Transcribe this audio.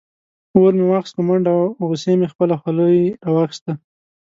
اور مې واخیست په منډه او غصې مې خپله خولۍ راواخیسته.